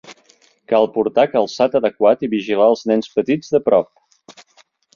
Cal portar calçat adequat i vigilar els nens petits de prop.